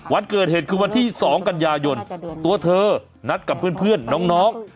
วันเกิดเหตุคือวันที่๒กันยายนตัวเธอนัดกับเพื่อนน้อง